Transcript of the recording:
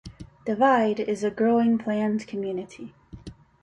Divide is a growing, planned community.